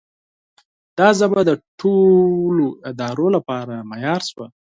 دا ژبه د ټولو ادارو لپاره معیار شوه.